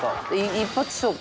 一発勝負。